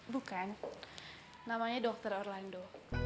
bukan namanya dr orlando